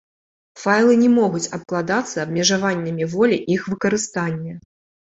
Файлы не могуць абкладацца абмежаваннямі волі іх выкарыстання.